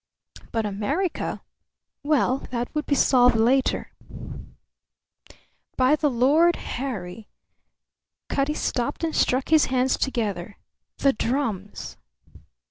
But America? Well, that would be solved later. "By the Lord Harry!" Cutty stopped and struck his hands together. "The drums!"